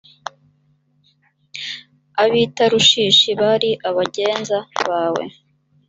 ab i tarushishi bari abagenza bawe